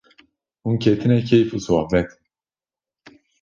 Hûn ketine keyf û sohbetê